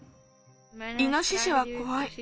イノシシはこわい。